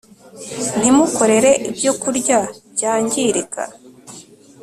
ntimukorere ibyokurya byangirika